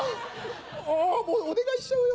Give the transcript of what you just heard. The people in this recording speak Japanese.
おもうお願いしちゃうよ。